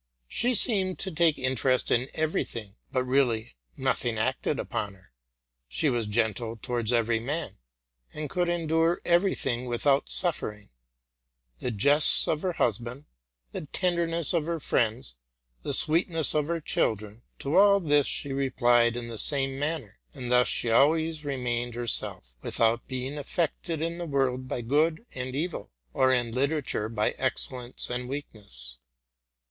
She seemed to take interest in every thing, but really nothing acted upon her. She was gentle towards every one, and could endure every thing without suffering: the jests of her husband, the tenderness 'of her friends, the sweetness of her children, —to all this she replied in the same manner ; and thus she always remained herself, without being affected in the world by good and evil, or in literature by excellence and weakness.